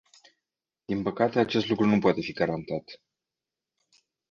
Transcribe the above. Din păcate, acest lucru nu poate fi garantat.